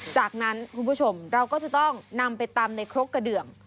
จากนั้นคุณผู้ชมเราก็จะต้องนำไปตำในครกกระเดือง